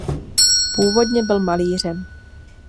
Původně byl malířem.